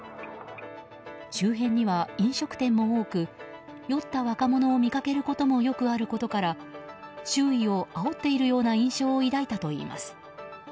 周辺には飲食店も多く酔った若者を見かけることもよくあることから周囲をあおっているような印象を抱いたといいます。